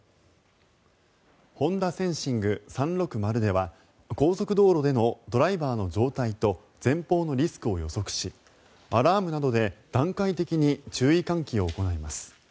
ＨｏｎｄａＳＥＮＳＩＮＧ３６０では高速道路でのドライバーの状態と前方のリスクを予測しアラームなどで段階的に注意喚起を行います。